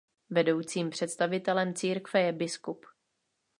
Vedoucím představitelem církve je biskup.